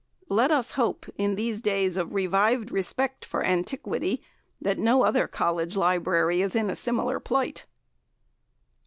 Let us hope, in these days of revived respect for antiquity, no other College library is in a similar plight.